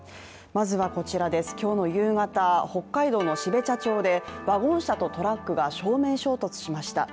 まずは今日の夕方、北海道の標茶町でワゴン車とトラックが正面衝突しました。